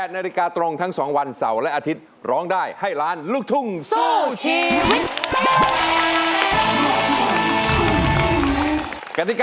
นาฬิกาตรงทั้ง๒วันเสาร์และอาทิตย์ร้องได้ให้ล้านลูกทุ่งสู้ชีวิต